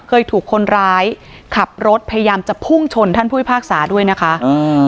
เคยถูกคนร้ายขับรถพยายามจะพุ่งชนท่านผู้พิพากษาด้วยนะคะอืม